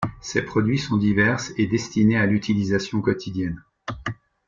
Ses produits sont divers et destinés à l'utilisation quotidienne.